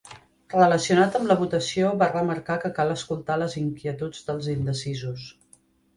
Relacionat amb la votació va remarcar que cal escoltar les inquietuds dels indecisos.